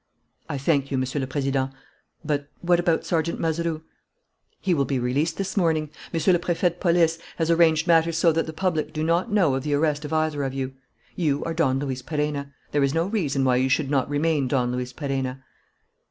"I thank you, Monsieur le Président. But what about Sergeant Mazeroux?" "He will be released this morning. Monsieur le Préfet de Police has arranged matters so that the public do not know of the arrest of either of you. You are Don Luis Perenna. There is no reason why you should not remain Don Luis Perenna."